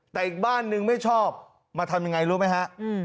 แต่อีกบ้านนึงไม่ชอบมาทำยังไงรู้ไหมฮะ